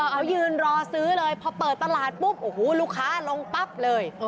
เขายืนรอซื้อเลยพอเปิดตลาดปุ๊บโอ้โหลูกค้าลงปั๊บเลย